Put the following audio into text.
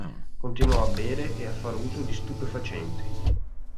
Continuò a bere e a far uso di stupefacenti.